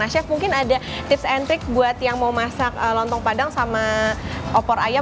nah chef mungkin ada tips and trik buat yang mau masak lontong padang sama opor ayam